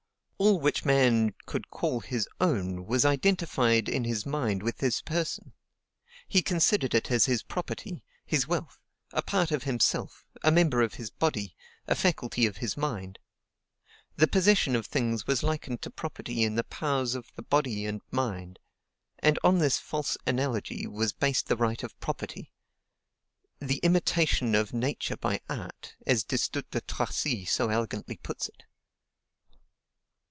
All which man could call his own was identified in his mind with his person. He considered it as his property, his wealth; a part of himself, a member of his body, a faculty of his mind. The possession of things was likened to property in the powers of the body and mind; and on this false analogy was based the right of property, THE IMITATION OF NATURE BY ART, as Destutt de Tracy so elegantly puts it.